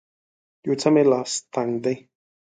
یو څه مې لاس تنګ دی